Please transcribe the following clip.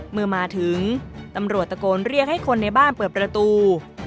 เมื่อมาถึงตำรวจตะโกนเรียกให้คนในบ้านเปิดประตู